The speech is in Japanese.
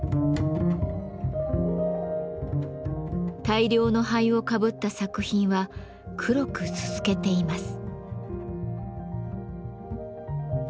大量の灰をかぶった作品は黒くすすけています。